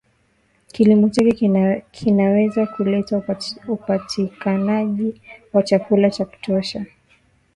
kilimo chake kinaweza kuleta upatikanaji wa chakula cha kutosha